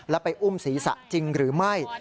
แล้วไปอุ้มศีรษะจริงหรือไม่